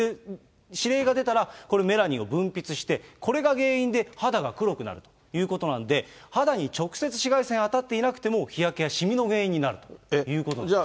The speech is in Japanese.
指令が出たら、これ、メラニンを分泌して、これが原因で肌が黒くなるということなんで、肌に直接紫外線、当たっていなくても、日焼けやシミの原因になるということなんです。